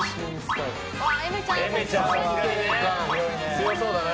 強そうだな。